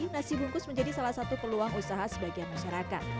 nasi bungkus menjadi salah satu peluang usaha sebagian masyarakat